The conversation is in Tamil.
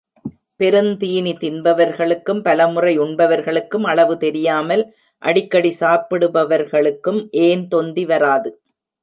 பெருந்தீனி தின்பவர்களுக்கும், பலமுறை உண்பவர்களுக்கும், அளவு தெரியாமல் அடிக்கடி சாப்பிடுபவர்களுக்கும் ஏன் தொந்தி வராது?